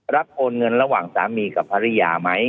โอนเงินระหว่างสามีกับภรรยาไหม